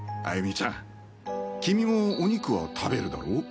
歩美ちゃん君もお肉は食べるだろ？